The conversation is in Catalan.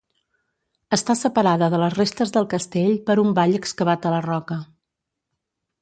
Està separada de les restes del castell per un vall excavat a la roca.